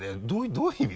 どういう意味？